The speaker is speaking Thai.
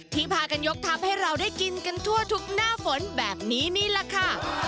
พากันยกทัพให้เราได้กินกันทั่วทุกหน้าฝนแบบนี้นี่แหละค่ะ